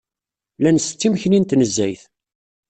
La nsett imekli n tnezzayt.